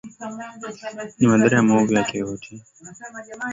Ni madhara na maovu yake yote